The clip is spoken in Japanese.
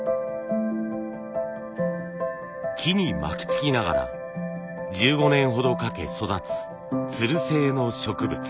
木に巻きつきながら１５年ほどかけ育つツル性の植物。